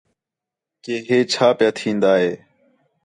کہ ہِے چھا پِیا تِھین٘دا ہِے